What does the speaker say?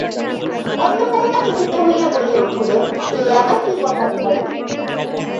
অন্নপূর্ণা চকিত হইয়া বলিয়া উঠিলেন, এ আবার কী কথা বিহারী।